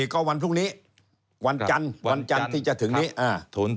๒๔ก็วันพรุ่งนี้วันจันทร์ที่จะถึงนี้